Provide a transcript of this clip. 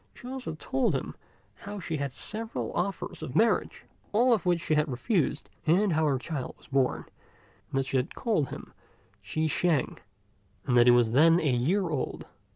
She also told him how she had had several offers of marriage, all of which she had refused, and how her child was born, and that she had called him Chi shêng, and that he was then a year old.